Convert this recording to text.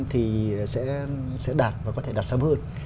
thì sẽ đạt và có thể đạt sớm hơn